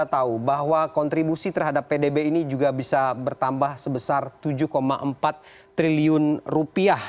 kita tahu bahwa kontribusi terhadap pdb ini juga bisa bertambah sebesar tujuh empat triliun rupiah